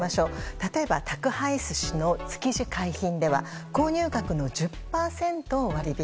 例えば宅配寿司のつきじ海賓では購入額の１０％を割引。